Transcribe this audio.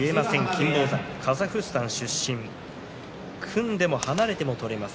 金峰山、カザフスタン出身組んでも離れても取れます。